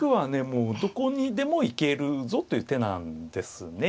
もうどこにでも行けるぞという手なんですね